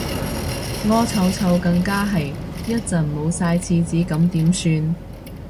屙臭臭更加係，一陣冇晒廁紙咁點算